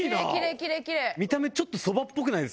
見た目ちょっとそばっぽくない？